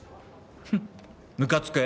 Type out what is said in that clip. フンッむかつく。